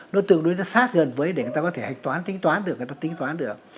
nó tương đối nó sát gần với để người ta có thể hạch toán tính toán được người ta tính toán được